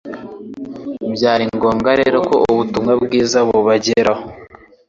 Byari ngombwa rero ko ubutumwa bwiza bubageraho.